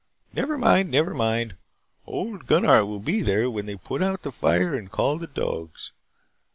"Never mind. Never mind. Old Gunnar will be there when they put out the fire and call the dogs.